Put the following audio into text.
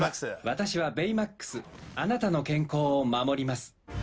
私はベイマックスあなたの健康を守ります